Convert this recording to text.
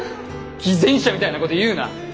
偽善者みたいなこと言うな。